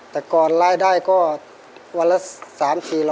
แต่ก่อนรายได้ก็วันละ๓๔๐๐